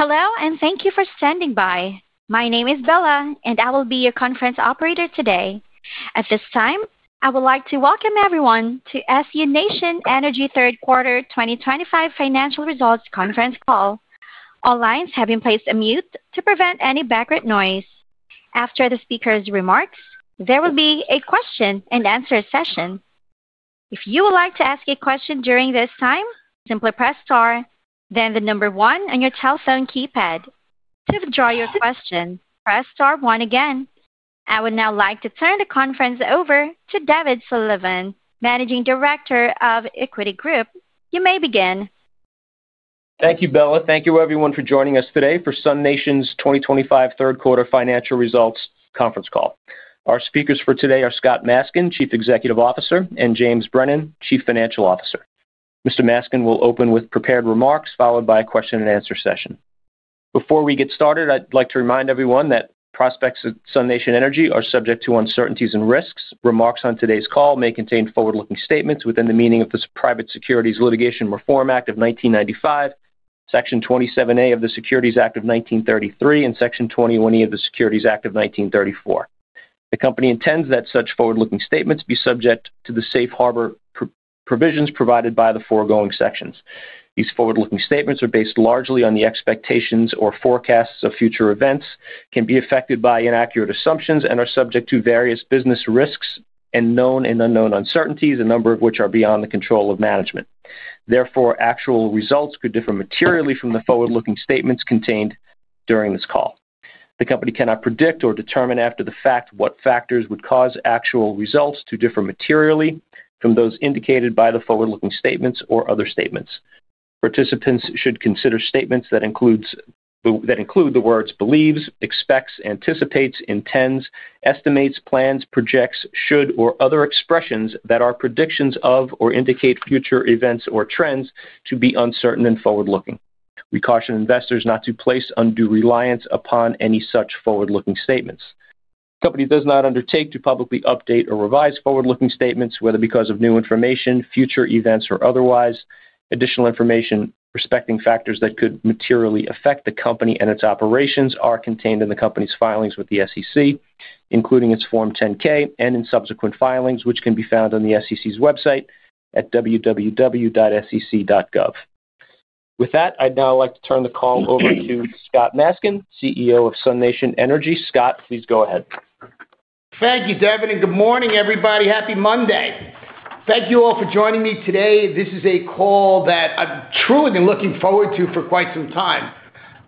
Hello, and thank you for standing by. My name is Bella, and I will be your conference operator today. At this time, I would like to welcome everyone to SUNation Energy's Third Quarter 2025 Financial Results Conference Call. All lines have been placed on mute to prevent any background noise. After the speaker's remarks, there will be a question-and-answer session. If you would like to ask a question during this time, simply press star, then the number one on your telephone keypad. To withdraw your question, press star one again. I would now like to turn the conference over to Devin Sullivan, Managing Director of Equity Group. You may begin. Thank you, Bella. Thank you, everyone, for joining us today for SUNation's 2025 Third Quarter Financial Results Conference Call. Our speakers for today are Scott Maskin, Chief Executive Officer, and James Brennan, Chief Financial Officer. Mr. Maskin will open with prepared remarks, followed by a question-and-answer session. Before we get started, I'd like to remind everyone that prospects at SUNation Energy are subject to uncertainties and risks. Remarks on today's call may contain forward-looking statements within the meaning of the Private Securities Litigation Reform Act of 1995, Section 27A of the Securities Act of 1933, and Section 21E of the Securities Act of 1934. The company intends that such forward-looking statements be subject to the safe harbor provisions provided by the foregoing sections. These forward-looking statements are based largely on the expectations or forecasts of future events, can be affected by inaccurate assumptions, and are subject to various business risks and known and unknown uncertainties, a number of which are beyond the control of management. Therefore, actual results could differ materially from the forward-looking statements contained during this call. The company cannot predict or determine after the fact what factors would cause actual results to differ materially from those indicated by the forward-looking statements or other statements. Participants should consider statements that include the words "believes," "expects," "anticipates," "intends," "estimates," "plans," "projects," "should," or other expressions that are predictions of or indicate future events or trends to be uncertain and forward-looking. We caution investors not to place undue reliance upon any such forward-looking statements. The company does not undertake to publicly update or revise forward-looking statements, whether because of new information, future events, or otherwise. Additional information respecting factors that could materially affect the company and its operations are contained in the company's filings with the SEC, including its Form 10-K and in subsequent filings, which can be found on the SEC's website at www.sec.gov. With that, I'd now like to turn the call over to Scott Maskin, CEO of SUNation Energy. Scott, please go ahead. Thank you, Devin, and good morning, everybody. Happy Monday. Thank you all for joining me today. This is a call that I've truly been looking forward to for quite some time.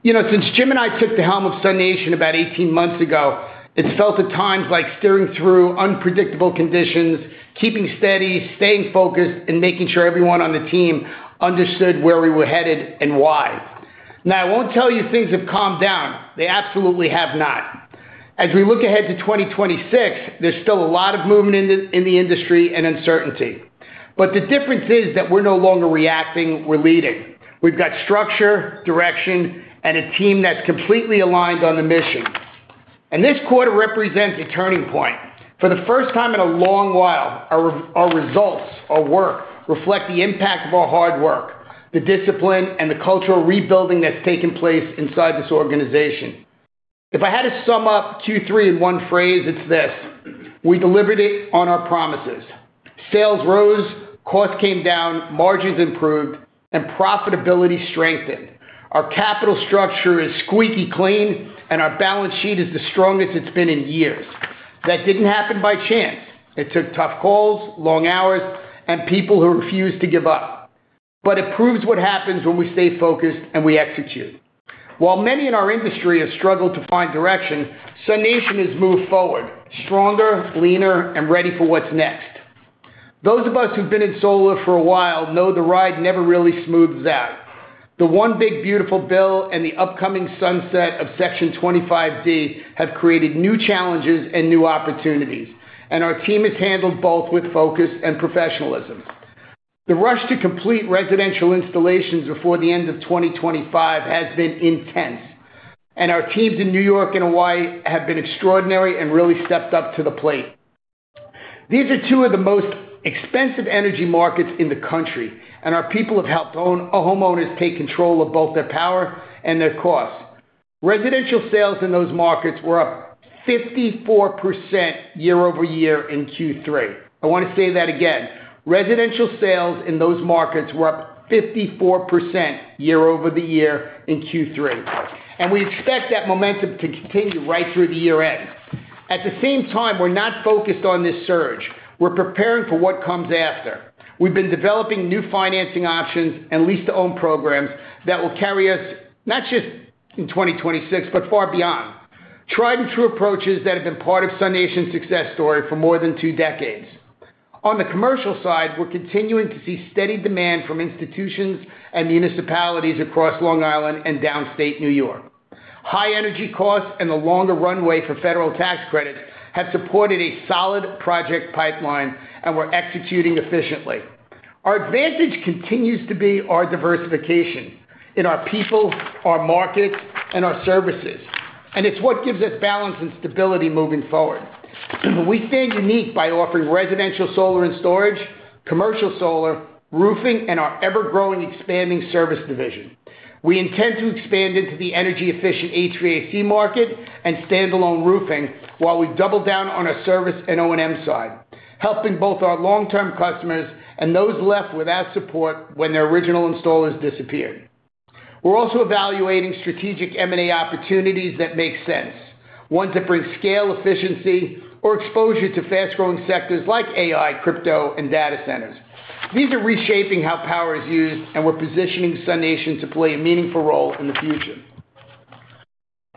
Since Jim and I took the helm of SUNation about 18 months ago, it's felt at times like steering through unpredictable conditions, keeping steady, staying focused, and making sure everyone on the team understood where we were headed and why. Now, I won't tell you things have calmed down. They absolutely have not. As we look ahead to 2026, there's still a lot of movement in the industry and uncertainty. The difference is that we're no longer reacting; we're leading. We've got structure, direction, and a team that's completely aligned on the mission. This quarter represents a turning point. For the first time in a long while, our results, our work, reflect the impact of our hard work, the discipline, and the cultural rebuilding that's taken place inside this organization. If I had to sum up Q3 in one phrase, it's this: we delivered it on our promises. Sales rose, costs came down, margins improved, and profitability strengthened. Our capital structure is squeaky clean, and our balance sheet is the strongest it's been in years. That did not happen by chance. It took tough calls, long hours, and people who refused to give up. It proves what happens when we stay focused and we execute. While many in our industry have struggled to find direction, SUNation has moved forward, stronger, leaner, and ready for what's next. Those of us who've been in solar for a while know the ride never really smooths out. The One Big Beautiful Bill and the upcoming sunset of Section 25D have created new challenges and new opportunities, and our team has handled both with focus and professionalism. The rush to complete residential installations before the end of 2025 has been intense, and our teams in New York and Hawaii have been extraordinary and really stepped up to the plate. These are two of the most expensive energy markets in the country, and our people have helped homeowners take control of both their power and their costs. Residential sales in those markets were up 54% year over year in Q3. I want to say that again. Residential sales in those markets were up 54% year over the year in Q3. We expect that momentum to continue right through the year end. At the same time, we're not focused on this surge. We're preparing for what comes after. We've been developing new financing options and lease-to-own programs that will carry us not just in 2026, but far beyond. Tried-and-true approaches that have been part of SUNation's success story for more than two decades. On the commercial side, we're continuing to see steady demand from institutions and municipalities across Long Island and downstate New York. High energy costs and the longer runway for federal tax credits have supported a solid project pipeline, and we're executing efficiently. Our advantage continues to be our diversification in our people, our markets, and our services. It is what gives us balance and stability moving forward. We stand unique by offering residential solar and storage, commercial solar, roofing, and our ever-growing, expanding service division. We intend to expand into the energy-efficient HVAC market and standalone roofing while we double down on our service and O&M side, helping both our long-term customers and those left without support when their original installers disappeared. We're also evaluating strategic M&A opportunities that make sense, ones that bring scale, efficiency, or exposure to fast-growing sectors like AI, crypto, and data centers. These are reshaping how power is used, and we're positioning SUNation to play a meaningful role in the future.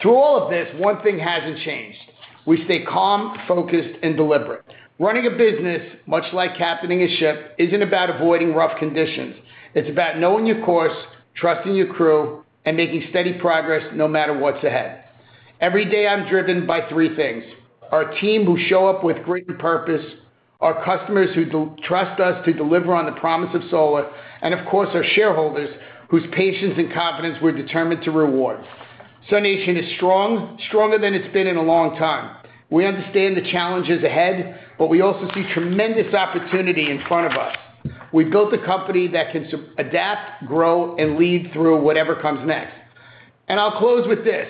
Through all of this, one thing hasn't changed. We stay calm, focused, and deliberate. Running a business, much like captaining a ship, isn't about avoiding rough conditions. It's about knowing your course, trusting your crew, and making steady progress no matter what's ahead. Every day, I'm driven by three things: our team who show up with grit and purpose, our customers who trust us to deliver on the promise of solar, and, of course, our shareholders whose patience and confidence we're determined to reward. SUNation is strong, stronger than it's been in a long time. We understand the challenges ahead, but we also see tremendous opportunity in front of us. We've built a company that can adapt, grow, and lead through whatever comes next. I'll close with this: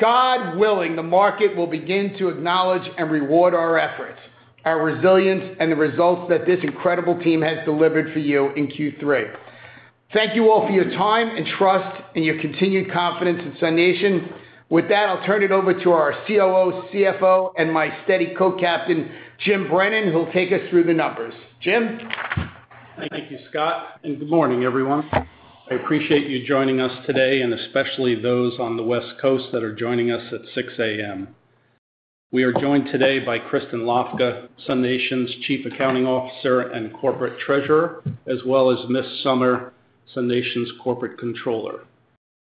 God willing, the market will begin to acknowledge and reward our efforts, our resilience, and the results that this incredible team has delivered for you in Q3. Thank you all for your time and trust and your continued confidence in SUNation. With that, I'll turn it over to our COO, CFO, and my steady co-captain, Jim Brennan, who'll take us through the numbers. Jim. Thank you, Scott. Good morning, everyone. I appreciate you joining us today, especially those on the West Coast that are joining us at 6:00 A.M. We are joined today by Kristen Hlavka, SUNation's Chief Accounting Officer and Corporate Treasurer, as well as Mitch Sommer, SUNation's Corporate Controller.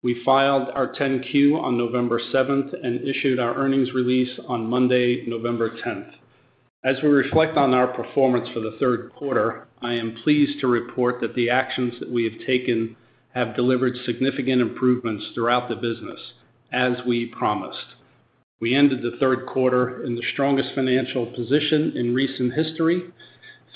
We filed our 10-Q on November 7 and issued our earnings release on Monday, November 10. As we reflect on our performance for the third quarter, I am pleased to report that the actions that we have taken have delivered significant improvements throughout the business, as we promised. We ended the third quarter in the strongest financial position in recent history.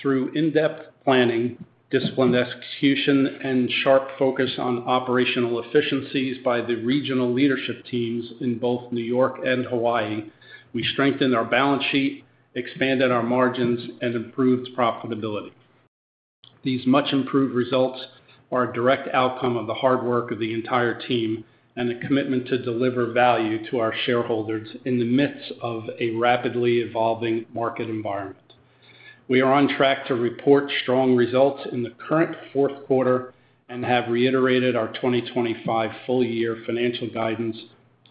Through in-depth planning, disciplined execution, and sharp focus on operational efficiencies by the regional leadership teams in both New York and Hawaii, we strengthened our balance sheet, expanded our margins, and improved profitability. These much-improved results are a direct outcome of the hard work of the entire team and a commitment to deliver value to our shareholders in the midst of a rapidly evolving market environment. We are on track to report strong results in the current fourth quarter and have reiterated our 2025 full-year financial guidance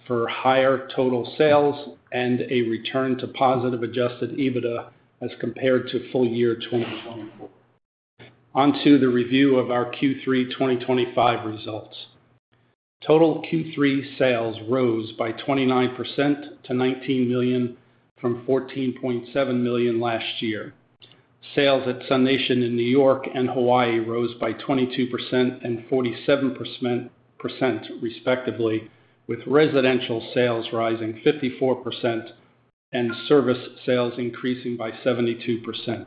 for higher total sales and a return to positive adjusted EBITDA as compared to full-year 2024. Onto the review of our Q3 2025 results. Total Q3 sales rose by 29% to $19 million from $14.7 million last year. Sales at SUNation in New York and Hawaii rose by 22% and 47%, respectively, with residential sales rising 54% and service sales increasing by 72%.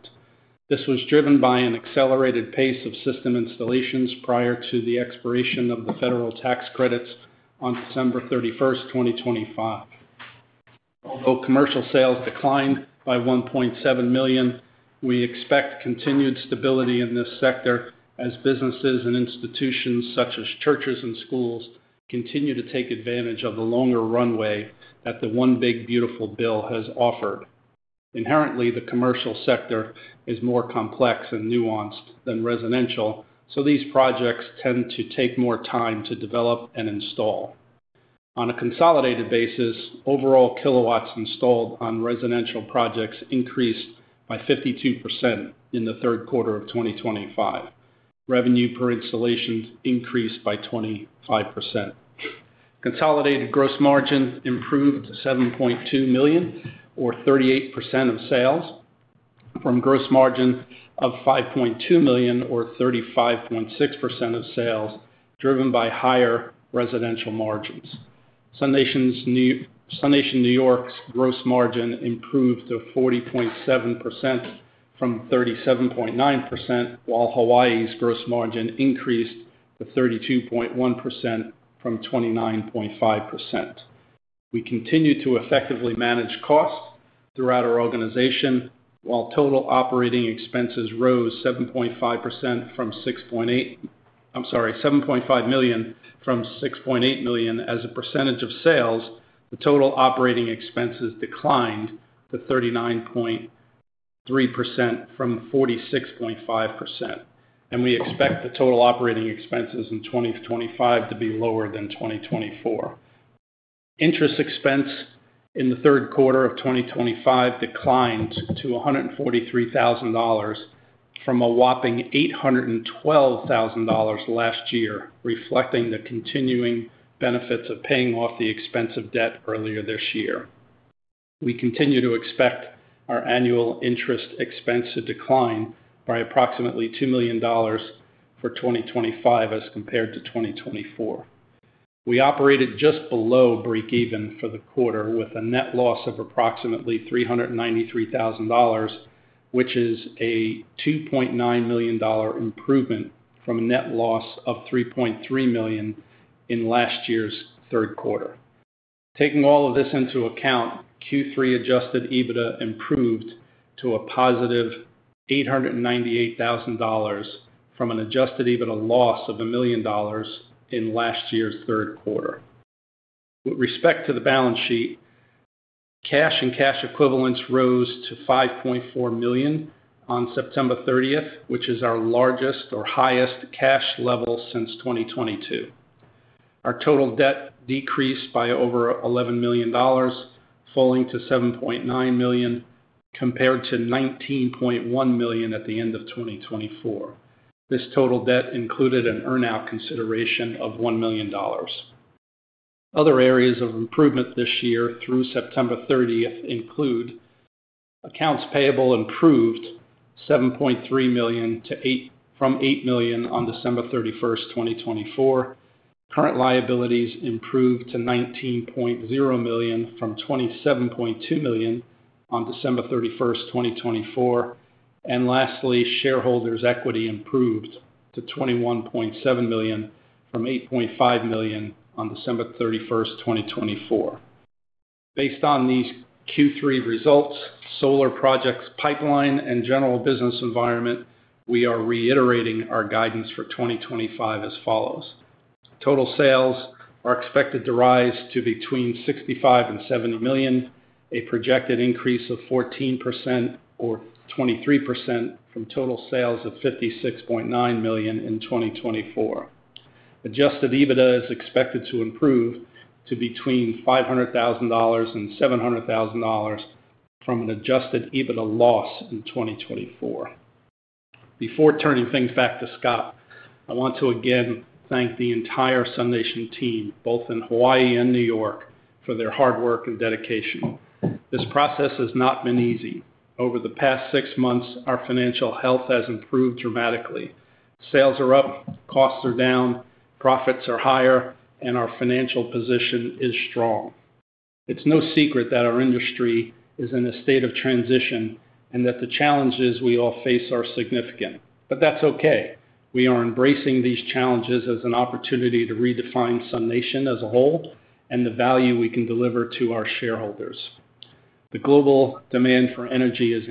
This was driven by an accelerated pace of system installations prior to the expiration of the federal tax credits on December 31st, 2025. Although commercial sales declined by $1.7 million, we expect continued stability in this sector as businesses and institutions such as churches and schools continue to take advantage of the longer runway that the One Big Beautiful Bill has offered. Inherently, the commercial sector is more complex and nuanced than residential, so these projects tend to take more time to develop and install. On a consolidated basis, overall kilowatts installed on residential projects increased by 52% in the third quarter of 2025. Revenue per installation increased by 25%. Consolidated gross margin improved to $7.2 million, or 38% of sales, from gross margin of $5.2 million, or 35.6% of sales, driven by higher residential margins. SUNation New York's gross margin improved to 40.7% from 37.9%, while Hawaii's gross margin increased to 32.1% from 29.5%. We continue to effectively manage costs throughout our organization. While total operating expenses rose 7.5% from $6.8 million—I'm sorry, $7.5 million from $6.8 million—as a percentage of sales, the total operating expenses declined to 39.3% from 46.5%. We expect the total operating expenses in 2025 to be lower than 2024. Interest expense in the third quarter of 2025 declined to $143,000 from a whopping $812,000 last year, reflecting the continuing benefits of paying off the expense of debt earlier this year. We continue to expect our annual interest expense to decline by approximately $2 million for 2025 as compared to 2024. We operated just below break-even for the quarter with a net loss of approximately $393,000, which is a $2.9 million improvement from a net loss of $3.3 million in last year's third quarter. Taking all of this into account, Q3 adjusted EBITDA improved to a positive $898,000 from an adjusted EBITDA loss of $1 million in last year's third quarter. With respect to the balance sheet, cash and cash equivalents rose to $5.4 million on September 30th, which is our largest or highest cash level since 2022. Our total debt decreased by over $11 million, falling to $7.9 million compared to $19.1 million at the end of 2024. This total debt included an earnout consideration of $1 million. Other areas of improvement this year through September 30th include accounts payable improved to $7.3 million from $8 million on December 31st, 2024. Current liabilities improved to $19.0 million from $27.2 million on December 31st, 2024. Lastly, shareholders' equity improved to $21.7 million from $8.5 million on December 31st, 2024. Based on these Q3 results, solar projects pipeline, and general business environment, we are reiterating our guidance for 2025 as follows. Total sales are expected to rise to between $65 million and $70 million, a projected increase of 14% or 23% from total sales of $56.9 million in 2024. Adjusted EBITDA is expected to improve to between $500,000 and $700,000 from an adjusted EBITDA loss in 2024. Before turning things back to Scott, I want to again thank the entire SUNation team, both in Hawaii and New York, for their hard work and dedication. This process has not been easy. Over the past six months, our financial health has improved dramatically. Sales are up, costs are down, profits are higher, and our financial position is strong. It's no secret that our industry is in a state of transition and that the challenges we all face are significant. That's okay. We are embracing these challenges as an opportunity to redefine SUNation as a whole and the value we can deliver to our shareholders. The global demand for energy is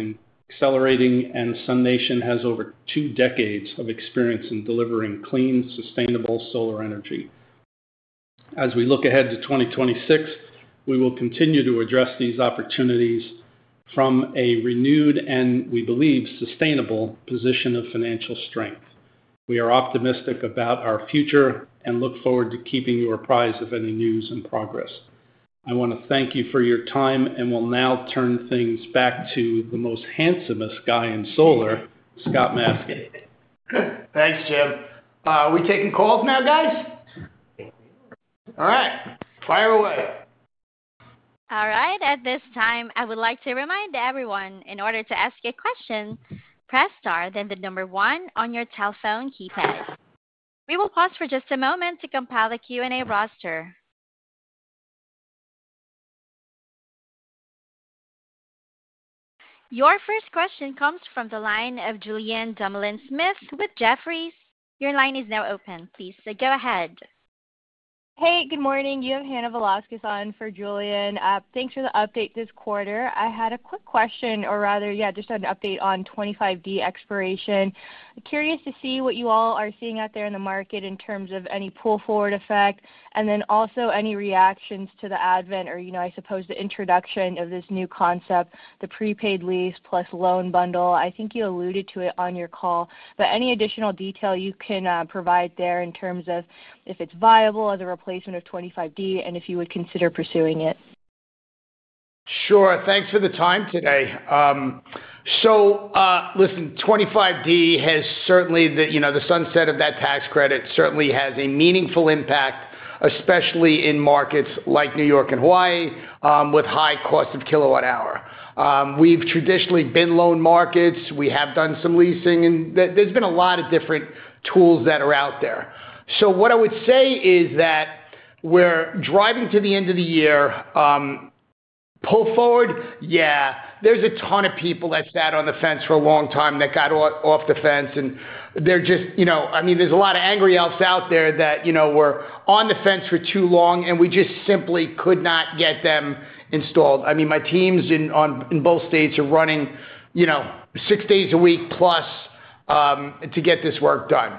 accelerating, and SUNation has over two decades of experience in delivering clean, sustainable solar energy. As we look ahead to 2026, we will continue to address these opportunities from a renewed and, we believe, sustainable position of financial strength. We are optimistic about our future and look forward to keeping you apprised of any news and progress. I want to thank you for your time, and we'll now turn things back to the most handsome guy in solar, Scott Maskin. Thanks, Jim. Are we taking calls now, guys? All right. Fire away. All right. At this time, I would like to remind everyone, in order to ask a question, press star, then the number one on your telephone keypad. We will pause for just a moment to compile the Q&A roster. Your first question comes from the line of Julien Dumoulin-Smith with Jefferies. Your line is now open. Please go ahead. Hey, good morning. You have Hannah Velásquez on for Julianne. Thanks for the update this quarter. I had a quick question, or rather, yeah, just an update on 25D expiration. Curious to see what you all are seeing out there in the market in terms of any pull-forward effect, and then also any reactions to the advent, or, you know, I suppose, the introduction of this new concept, the prepaid lease plus loan bundle. I think you alluded to it on your call, but any additional detail you can provide there in terms of if it's viable as a replacement of 25D and if you would consider pursuing it. Sure. Thanks for the time today. Listen, 25D has certainly, you know, the sunset of that tax credit certainly has a meaningful impact, especially in markets like New York and Hawaii with high cost of kilowatt-hour. We've traditionally been loan markets. We have done some leasing, and there's been a lot of different tools that are out there. What I would say is that we're driving to the end of the year. Pull forward? Yeah. There's a ton of people that sat on the fence for a long time that got off the fence, and they're just, you know, I mean, there's a lot of angry elves out there that, you know, were on the fence for too long, and we just simply could not get them installed. I mean, my teams in both states are running, you know, six days a week plus to get this work done.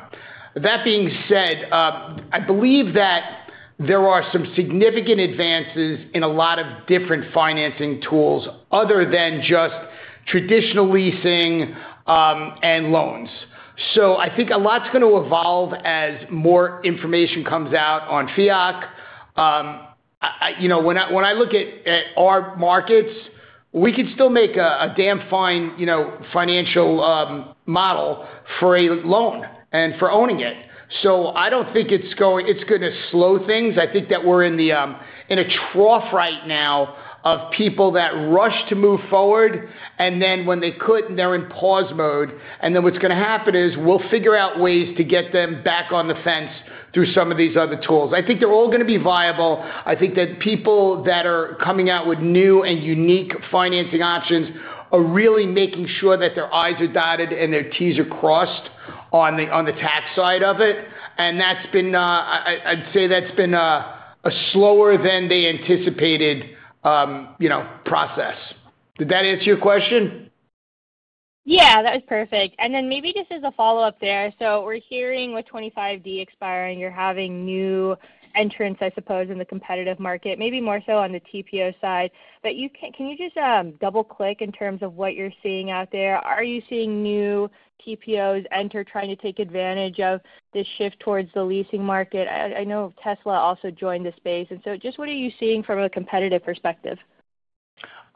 That being said, I believe that there are some significant advances in a lot of different financing tools other than just traditional leasing and loans. I think a lot's going to evolve as more information comes out on FEOC. You know, when I look at our markets, we could still make a damn fine, you know, financial model for a loan and for owning it. I don't think it's going to slow things. I think that we're in a trough right now of people that rush to move forward, and then when they couldn't, they're in pause mode. What's going to happen is we'll figure out ways to get them back on the fence through some of these other tools. I think they're all going to be viable. I think that people that are coming out with new and unique financing options are really making sure that their i's are dotted and their t's are crossed on the tax side of it. And that's been, I'd say that's been a slower than they anticipated, you know, process. Did that answer your question? Yeah, that was perfect. Maybe just as a follow-up there, so we're hearing with 25D expiring, you're having new entrants, I suppose, in the competitive market, maybe more so on the TPO side. Can you just double-click in terms of what you're seeing out there? Are you seeing new TPOs enter trying to take advantage of this shift towards the leasing market? I know Tesla also joined the space. Just what are you seeing from a competitive perspective?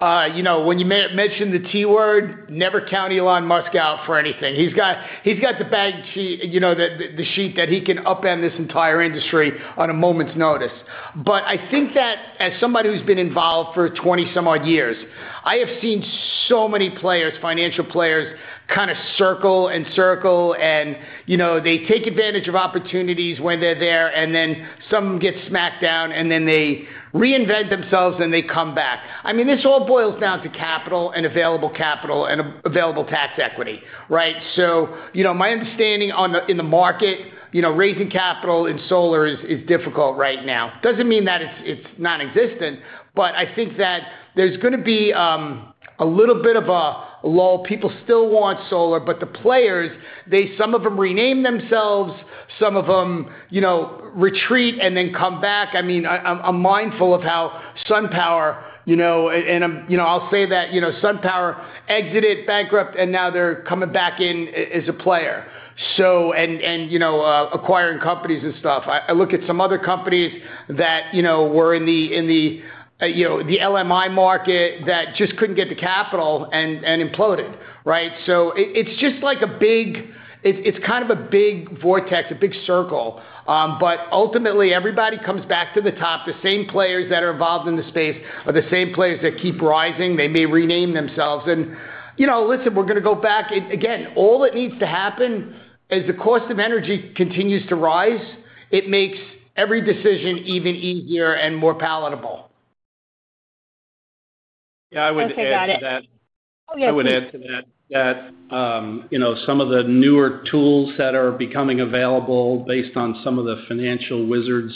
You know, when you mention the T word, never count Elon Musk out for anything. He's got the balance sheet, you know, the sheet that he can upend this entire industry on a moment's notice. I think that as somebody who's been involved for 20-some-odd years, I have seen so many players, financial players, kind of circle and circle, and, you know, they take advantage of opportunities when they're there, and then some get smacked down, and then they reinvent themselves, and they come back. I mean, this all boils down to capital and available capital and available tax equity, right? You know, my understanding in the market, you know, raising capital in solar is difficult right now. Doesn't mean that it's nonexistent, but I think that there's going to be a little bit of a lull. People still want solar, but the players, some of them rename themselves, some of them, you know, retreat and then come back. I mean, I'm mindful of how SunPower, you know, and I'll say that, you know, SunPower exited bankrupt, and now they're coming back in as a player. So, and, you know, acquiring companies and stuff. I look at some other companies that, you know, were in the, you know, the LMI market that just couldn't get the capital and imploded, right? It's just like a big, it's kind of a big vortex, a big circle. Ultimately, everybody comes back to the top. The same players that are involved in the space are the same players that keep rising. They may rename themselves. You know, listen, we're going to go back. Again, all that needs to happen is the cost of energy continues to rise. It makes every decision even easier and more palatable. Yeah, I would add to that. Okay, got it. I would add to that that, you know, some of the newer tools that are becoming available based on some of the financial wizards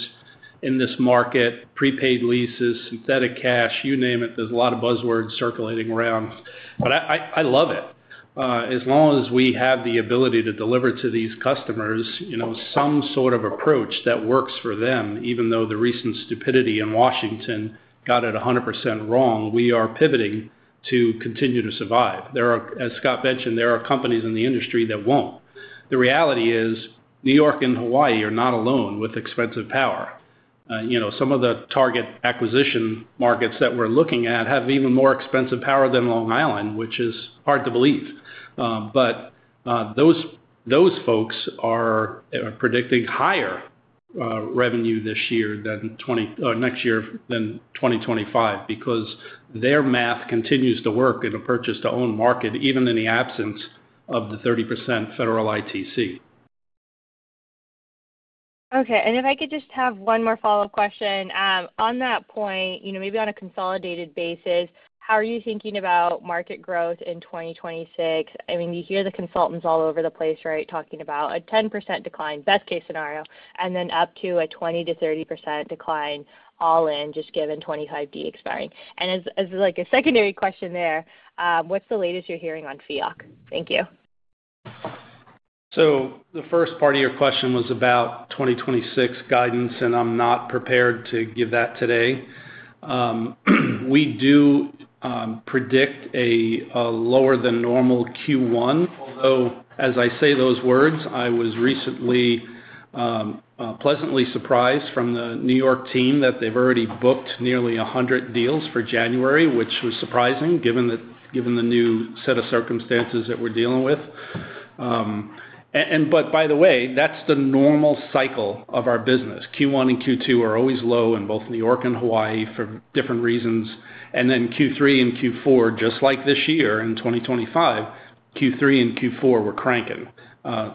in this market, prepaid leases, synthetic cash, you name it, there's a lot of buzzwords circulating around. I love it. As long as we have the ability to deliver to these customers, you know, some sort of approach that works for them, even though the recent stupidity in Washington got it 100% wrong, we are pivoting to continue to survive. There are, as Scott mentioned, companies in the industry that will not. The reality is New York and Hawaii are not alone with expensive power. You know, some of the target acquisition markets that we are looking at have even more expensive power than Long Island, which is hard to believe. Those folks are predicting higher revenue this year than next year than 2025 because their math continues to work in a purchase-to-own market, even in the absence of the 30% federal ITC. Okay. If I could just have one more follow-up question. On that point, you know, maybe on a consolidated basis, how are you thinking about market growth in 2026? I mean, you hear the consultants all over the place, right, talking about a 10% decline, best-case scenario, and then up to a 20%-30% decline all in just given 25D expiring. As like a secondary question there, what's the latest you're hearing on FEOC? Thank you. The first part of your question was about 2026 guidance, and I'm not prepared to give that today. We do predict a lower-than-normal Q1, although, as I say those words, I was recently pleasantly surprised from the New York team that they've already booked nearly 100 deals for January, which was surprising given the new set of circumstances that we're dealing with. By the way, that's the normal cycle of our business. Q1 and Q2 are always low in both New York and Hawaii for different reasons. Q3 and Q4, just like this year in 2025, Q3 and Q4 were cranking.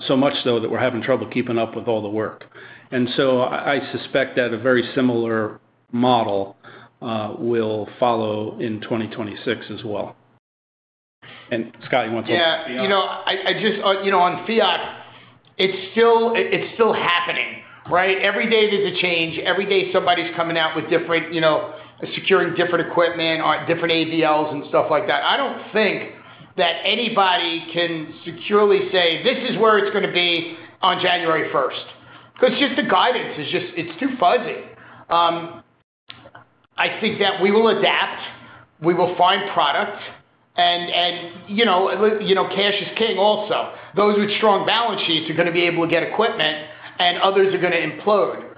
So much so that we're having trouble keeping up with all the work. I suspect that a very similar model will follow in 2026 as well. Scott, you want to talk? Yeah. You know, I just, you know, on FEOC, it's still happening, right? Every day there's a change. Every day somebody's coming out with different, you know, securing different equipment, different AVLs and stuff like that. I don't think that anybody can securely say, "This is where it's going to be on January 1." Because just the guidance is just, it's too fuzzy. I think that we will adapt, we will find product, and, you know, cash is king also. Those with strong balance sheets are going to be able to get equipment, and others are going to implode.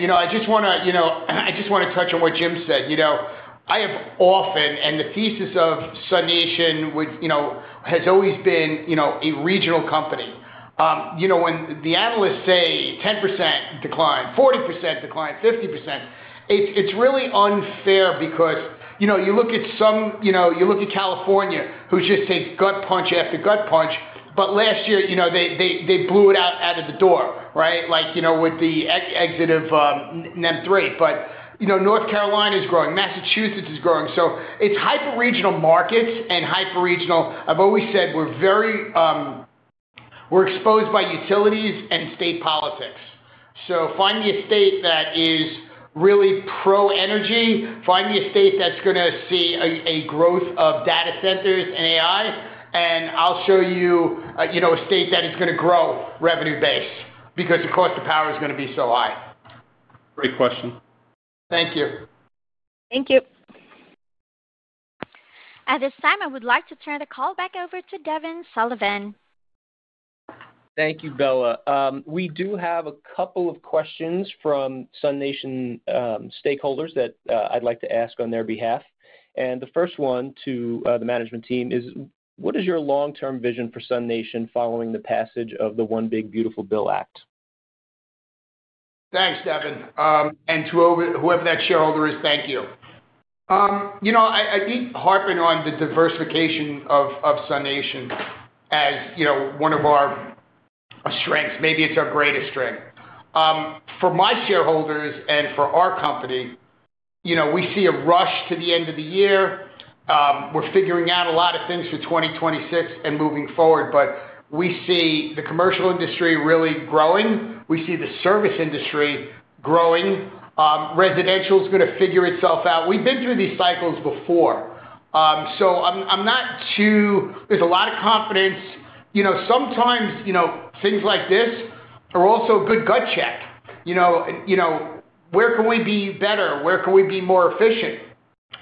You know, I just want to, you know, I just want to touch on what Jim said. You know, I have often, and the thesis of SUNation would, you know, has always been, you know, a regional company. You know, when the analysts say 10% decline, 40% decline, 50%, it's really unfair because, you know, you look at some, you know, you look at California who just takes gut punch after gut punch, but last year, you know, they blew it out of the door, right? Like, you know, with the exit of NEM 3. You know, North Carolina is growing. Massachusetts is growing. It is hyper-regional markets and hyper-regional. I've always said we're very, we're exposed by utilities and state politics. Find me a state that is really pro-energy. Find me a state that's going to see a growth of data centers and AI, and I'll show you, you know, a state that is going to grow revenue-based because the cost of power is going to be so high. Great question. Thank you. Thank you. At this time, I would like to turn the call back over to Devin Sullivan. Thank you, Bella. We do have a couple of questions from SUNation stakeholders that I'd like to ask on their behalf. The first one to the management team is, what is your long-term vision for SUNation following the passage of the One Big Beautiful Bill Act? Thanks, Devin. And to whoever that shareholder is, thank you. You know, I need to harpen on the diversification of SUNation as, you know, one of our strengths. Maybe it's our greatest strength. For my shareholders and for our company, you know, we see a rush to the end of the year. We're figuring out a lot of things for 2026 and moving forward, but we see the commercial industry really growing. We see the service industry growing. Residential is going to figure itself out. We've been through these cycles before. I'm not too, there's a lot of confidence. You know, sometimes, you know, things like this are also a good gut check. You know, you know, where can we be better? Where can we be more efficient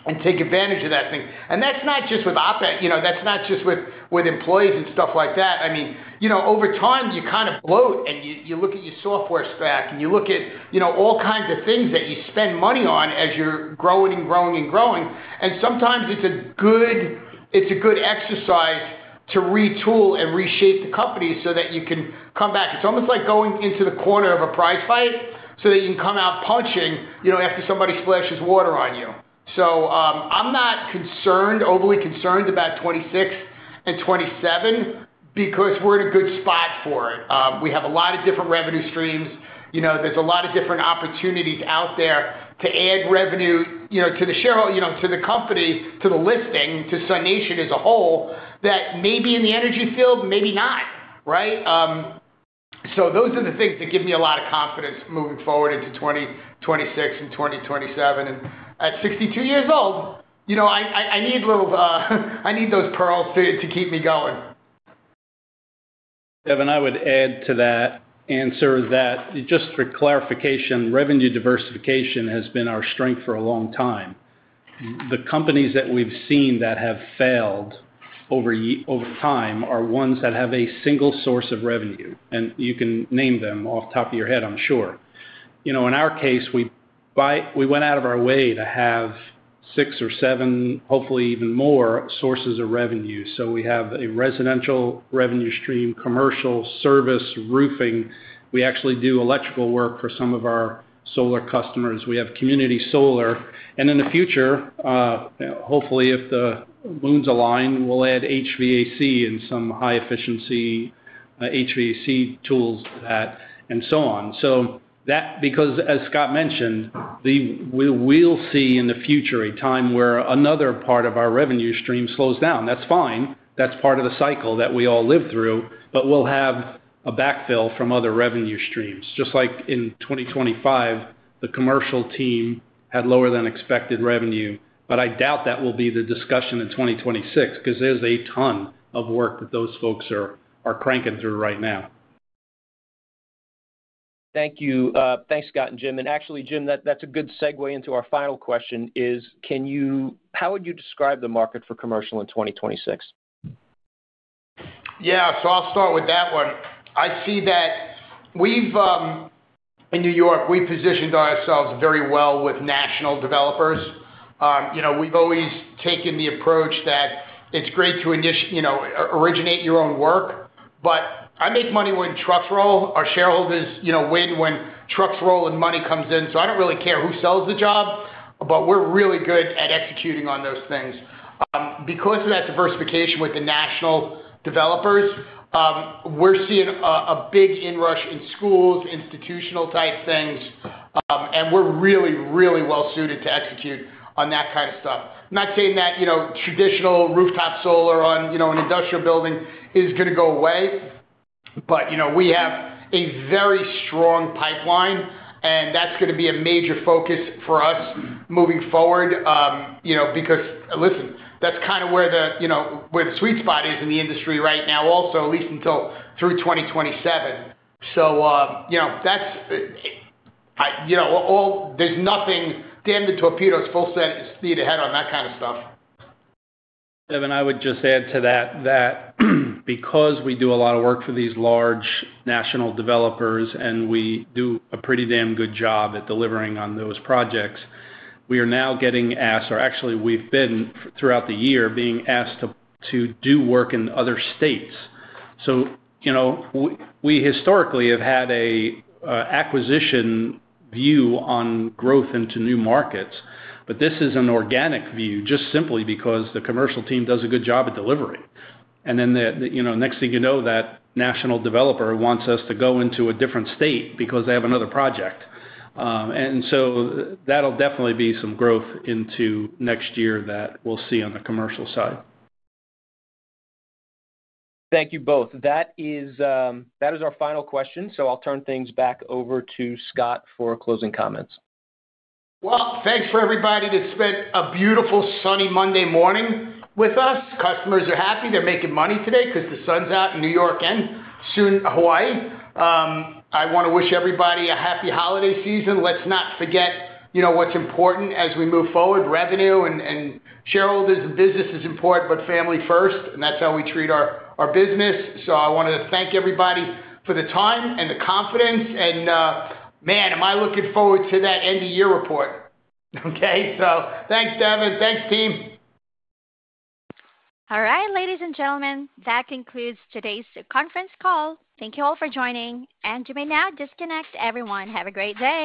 and take advantage of that thing? That's not just with, you know, that's not just with employees and stuff like that. I mean, you know, over time, you kind of bloat and you look at your software stack and you look at, you know, all kinds of things that you spend money on as you're growing and growing and growing. Sometimes it's a good, it's a good exercise to retool and reshape the company so that you can come back. It's almost like going into the corner of a prize fight so that you can come out punching, you know, after somebody splashes water on you. I'm not concerned, overly concerned about 2026 and 2027 because we're in a good spot for it. We have a lot of different revenue streams. You know, there's a lot of different opportunities out there to add revenue, you know, to the shareholders, you know, to the company, to the listing, to SUNation as a whole that may be in the energy field, maybe not, right? Those are the things that give me a lot of confidence moving forward into 2026 and 2027. At 62 years old, you know, I need little, I need those pearls to keep me going. Devin, I would add to that answer that just for clarification, revenue diversification has been our strength for a long time. The companies that we've seen that have failed over time are ones that have a single source of revenue. You can name them off the top of your head, I'm sure. You know, in our case, we went out of our way to have six or seven, hopefully even more sources of revenue. We have a residential revenue stream, commercial, service, roofing. We actually do electrical work for some of our solar customers. We have community solar. In the future, hopefully if the moons align, we'll add HVAC and some high-efficiency HVAC tools and so on. That, because as Scott mentioned, we will see in the future a time where another part of our revenue stream slows down. That's fine. That's part of the cycle that we all live through, but we'll have a backfill from other revenue streams. Just like in 2025, the commercial team had lower-than-expected revenue, but I doubt that will be the discussion in 2026 because there's a ton of work that those folks are cranking through right now. Thank you. Thanks, Scott and Jim. Actually, Jim, that's a good segue into our final question. Can you, how would you describe the market for commercial in 2026? Yeah. I'll start with that one. I see that we've, in New York, we've positioned ourselves very well with national developers. You know, we've always taken the approach that it's great to, you know, originate your own work, but I make money when trucks roll. Our shareholders, you know, win when trucks roll and money comes in. I don't really care who sells the job, but we're really good at executing on those things. Because of that diversification with the national developers, we're seeing a big inrush in schools, institutional-type things, and we're really, really well suited to execute on that kind of stuff. I'm not saying that, you know, traditional rooftop solar on, you know, an industrial building is going to go away, but, you know, we have a very strong pipeline, and that's going to be a major focus for us moving forward, you know, because, listen, that's kind of where the, you know, where the sweet spot is in the industry right now also, at least until through 2027. You know, there's nothing, damn the torpedoes, full steady, speed ahead on that kind of stuff. Devin, I would just add to that that because we do a lot of work for these large national developers and we do a pretty damn good job at delivering on those projects, we are now getting asked, or actually we have been throughout the year being asked to do work in other states. You know, we historically have had an acquisition view on growth into new markets, but this is an organic view just simply because the commercial team does a good job at delivering. The next thing you know, that national developer wants us to go into a different state because they have another project. That will definitely be some growth into next year that we will see on the commercial side. Thank you both. That is our final question. I'll turn things back over to Scott for closing comments. Thanks for everybody that spent a beautiful sunny Monday morning with us. Customers are happy. They're making money today because the sun's out in New York and soon Hawaii. I want to wish everybody a happy holiday season. Let's not forget, you know, what's important as we move forward. Revenue and shareholders and business is important, but family first, and that's how we treat our business. I wanted to thank everybody for the time and the confidence. Man, am I looking forward to that end-of-year report. Thanks, Devin. Thanks, team. All right, ladies and gentlemen, that concludes today's conference call. Thank you all for joining. You may now disconnect, everyone. Have a great day.